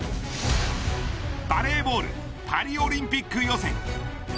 バレーボールパリオリンピック予選。